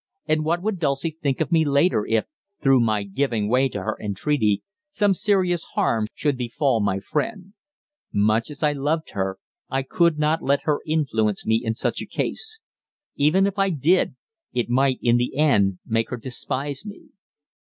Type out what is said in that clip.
And what would Dulcie think of me later if, through my giving way to her entreaty, some serious harm should befall my friend? Much as I loved her, I could not let her influence me in such a case; even if I did, it might in the end make her despise me.